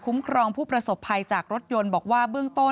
คุ้มครองผู้ประสบภัยจากรถยนต์บอกว่า